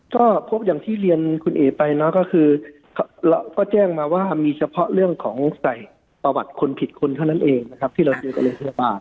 ก็พบอย่างที่เรียนคุณเอ๋ไปเนอะก็คือเราก็แจ้งมาว่ามีเฉพาะเรื่องของใส่ประวัติคนผิดคนเท่านั้นเองนะครับที่เราเจอกันในโรงพยาบาล